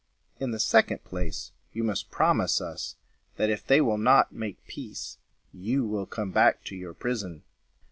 In the second place, you must promise us, that, if they will not make peace, you will come back to your prison."